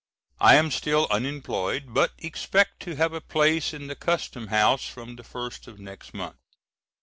I am still unemployed, but expect to have a place in the Custom House from the first of next month.